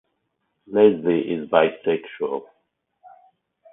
Leslie is bisexual.